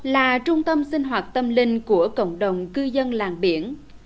là trung tâm sinh hoạt tâm linh của cộng đồng cư dân làng biển